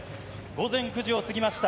午前９時を過ぎました。